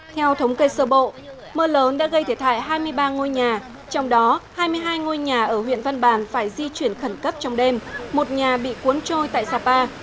theo thống kê sơ bộ mưa lớn đã gây thiệt hại hai mươi ba ngôi nhà trong đó hai mươi hai ngôi nhà ở huyện văn bàn phải di chuyển khẩn cấp trong đêm một nhà bị cuốn trôi tại sapa